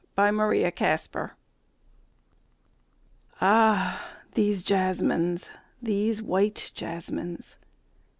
THE FIRST JASMINES Ah, these jasmines, these white jasmines!